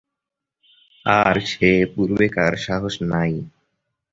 আর সে পূর্বেকার সাহস নাই।